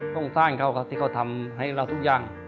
ต้องสร้างเขาที่เขาทำให้เราทุกอย่าง